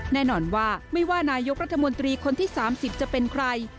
แน่นอนว่าไม่ว่านายกรัฐมนตรีคนที่๓๐จะเป็นใคร